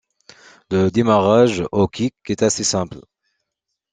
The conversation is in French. Le démarrage au kick est assez simple.